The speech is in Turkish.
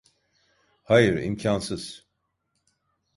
Hayır, imkansız.